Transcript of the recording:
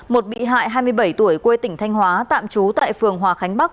một bị hại hai mươi bảy tuổi quê tỉnh thanh hóa tạm trú tại phường hòa khánh bắc